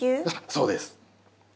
そうです。